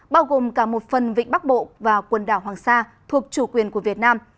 bao gồm cả một phần vịnh bắc bộ và quần đảo hoàng sa thuộc chủ quyền của việt nam